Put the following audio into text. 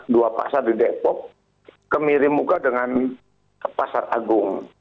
dua pasar di depok kemiri muka dengan pasar agung